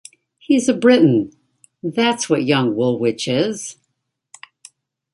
He's a Briton, that's what young Woolwich is.